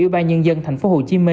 ủy ban nhân dân tp hcm